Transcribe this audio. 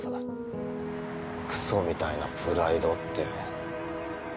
クソみたいなプライドって。